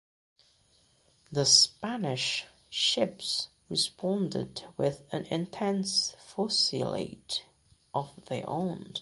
The Spanish ships responded with an intense fusillade of their own.